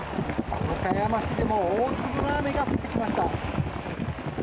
和歌山市でも大粒の雨が降ってきました。